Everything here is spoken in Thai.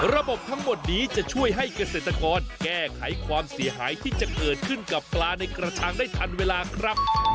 ระบบทั้งหมดนี้จะช่วยให้เกษตรกรแก้ไขความเสียหายที่จะเกิดขึ้นกับปลาในกระชังได้ทันเวลาครับ